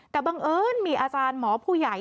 แต่บังเอิญมีอาจารย์หมอผู้ใหญ่